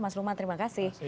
mas lukman terima kasih